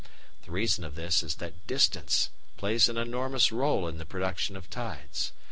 The reason of this is that distance plays an enormous rôle in the production of tides.